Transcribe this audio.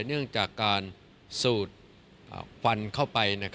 เนื่องจากการสูดควันเข้าไป